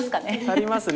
足りますね。